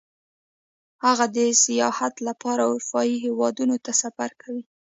هغه د سیاحت لپاره اروپايي هېوادونو ته سفر کوي